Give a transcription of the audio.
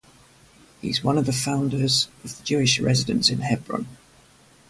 He is one of the founders of the Jewish residence in Hebron.